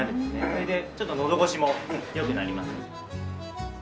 それでちょっとのど越しも良くなります。